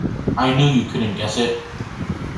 I knew you couldn’t guess it.